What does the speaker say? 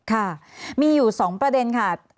ค่ะมีอยู่๒ประเด็นค่ะ